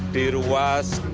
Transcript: di ruas kc